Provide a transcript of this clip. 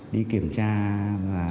đi kiểm tra